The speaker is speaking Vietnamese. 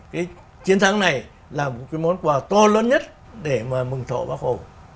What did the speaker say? cái chiến thắng này là một cái món quà to lớn nhất để mà mừng thọ bác hồ